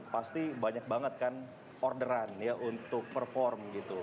pasti banyak banget kan orderan ya untuk perform gitu